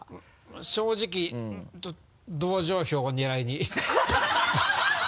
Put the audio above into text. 正直同情票を狙いにハハハ